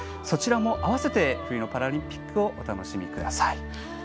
そちらも合わせて冬のパラリンピックをお楽しみください。